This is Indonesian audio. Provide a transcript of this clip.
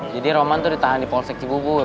jadi roman tuh ditahan di polsek cibubur